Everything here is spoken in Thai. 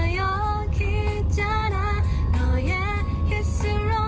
รู้มั้ยว่าฉันคิดถึงเธอ